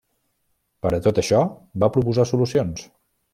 Per a tot això va proposar solucions.